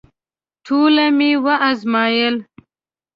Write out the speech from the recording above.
ټوله مي وازمایل …